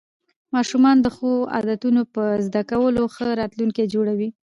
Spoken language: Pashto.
ماشومان د ښو عادتونو په زده کولو ښه راتلونکی جوړوي